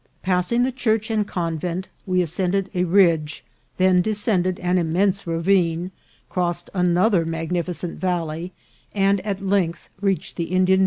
Passing the church and convent, we ascended a ridge, then descended an immense ravine, crossed another magnificent valley, and at length reached the Indian S36 INCIDENTS OF TRAVEL.